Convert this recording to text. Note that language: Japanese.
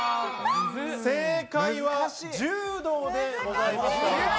正解は柔道でございました。